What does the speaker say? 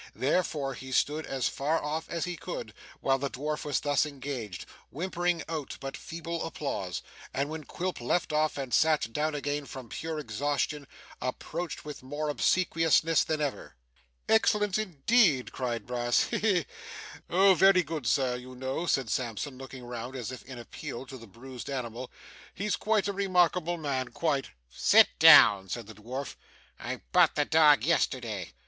Therefore, he stood as far off as he could, while the dwarf was thus engaged; whimpering out but feeble applause; and when Quilp left off and sat down again from pure exhaustion, approached with more obsequiousness than ever. 'Excellent indeed!' cried Brass. 'He he! Oh, very good Sir. You know,' said Sampson, looking round as if in appeal to the bruised animal, 'he's quite a remarkable man quite!' 'Sit down,' said the dwarf. 'I bought the dog yesterday.